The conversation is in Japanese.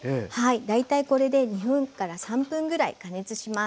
大体これで２３分ぐらい加熱します。